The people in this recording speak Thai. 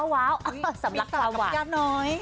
ว้าวสำลักความหวาน